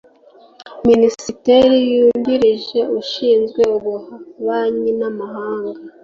Minisitiri wungirije ushinzwe ububanyi n’amahanga